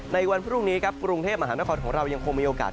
ในวันพรุ่งนี้ครับกรุงเทพมหานครของเรายังคงมีโอกาส